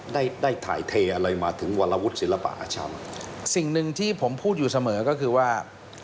ได้ได้ถ่ายเทอะไรมาถึงวรวุฒิศิลปะอาช้ำสิ่งหนึ่งที่ผมพูดอยู่เสมอก็คือว่า